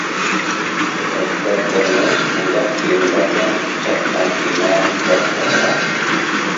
ئەجدادلىرىمىز مۇنداق كېمىلەرنى «چاتما كېمە» دەپ ئاتىغان.